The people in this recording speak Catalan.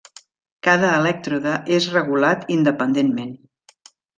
Cada elèctrode és regulat independentment.